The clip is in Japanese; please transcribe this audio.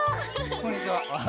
こんにちは。